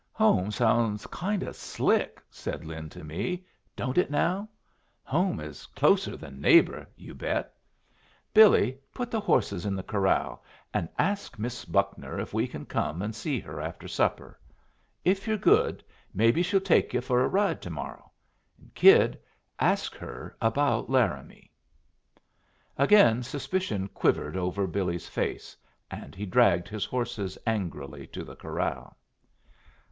"Home sounds kind o' slick," said Lin to me. "Don't it, now? 'Home' is closer than 'neighbor,' you bet! Billy, put the horses in the corral, and ask Miss Buckner if we can come and see her after supper. If you're good, maybe she'll take yu' for a ride to morrow. And, kid, ask her about Laramie." Again suspicion quivered over Billy's face, and he dragged his horses angrily to the corral.